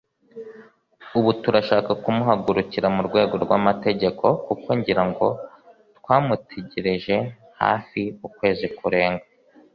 ubu turashaka kumuhagurukira mu rwego rw’amategeko kuko ngira ngo twamutegereje hafi ukwezi kurenga